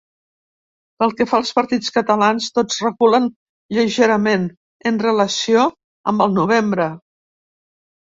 Pel que fa als partits catalans, tots reculen lleugerament en relació amb el novembre.